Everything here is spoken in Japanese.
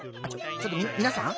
ちょっとみなさん。